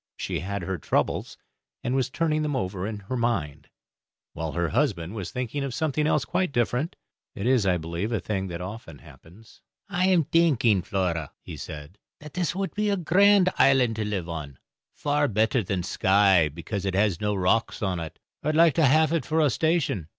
She had her troubles, and was turning them over in her mind, while her husband was thinking of something else quite different. It is, I believe, a thing that often happens. "I am thinking, Flora," he said, "that this would be a grand island to live on far better than Skye, because it has no rocks on it. I would like to haf it for a station.